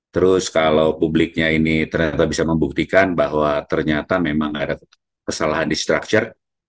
terus kalau publiknya ini ternyata bisa membuktikan bahwa ternyata memang ada kesalahan di structure